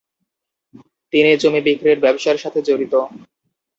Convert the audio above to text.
তিনি জমি বিক্রির ব্যবসার সাথে জড়িত।